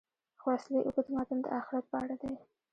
خو اصلي اوږد متن د آخرت په اړه دی.